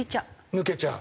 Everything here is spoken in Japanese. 抜けちゃう。